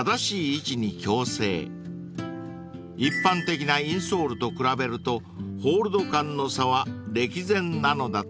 ［一般的なインソールと比べるとホールド感の差は歴然なのだとか］